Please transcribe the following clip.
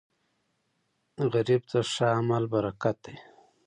غریب ته ښه عمل برکت دی